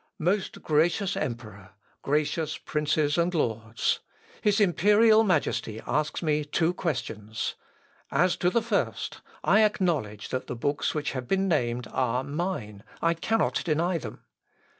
"Most gracious Emperor! Gracious Princes and Lords! "His imperial Majesty asks me two questions. "As to the first, I acknowledge that the books which have been named are mine: I cannot deny them.